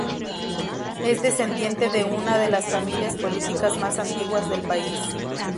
Es descendiente de una de las familias políticas más antiguas del país.